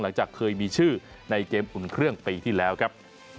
หลังจากเคยมีชื่อในเกมอุ่นเครื่องปีที่แล้วครับ